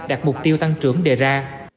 đạt mục tiêu tăng trưởng đề ra